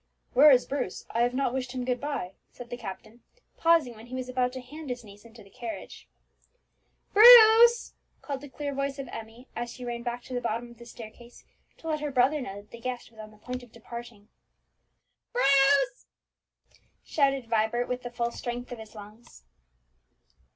"Where is Bruce? I have not wished him good bye," said the captain, pausing when he was about to hand his niece into the carriage. "Bruce!" called the clear voice of Emmie, as she ran back to the bottom of the staircase to let her brother know that the guest was on the point of departing. "Bruce!" shouted Vibert with the full strength of his lungs.